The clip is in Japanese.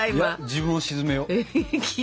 自分を鎮めよう。